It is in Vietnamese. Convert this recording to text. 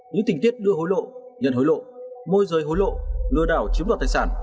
những tình tiết đưa hối lộ nhận hối lộ môi rơi hối lộ lừa đảo chiếm đoạt tài sản